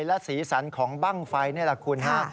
และสีสันของบ้างไฟนี่แหละคุณฮะ